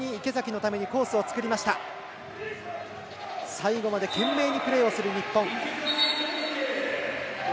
最後まで懸命にプレーする日本。